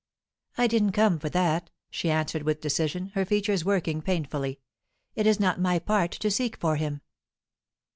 "I didn't come for that," she answered, with decision, her features working painfully. "It is not my part to seek for him."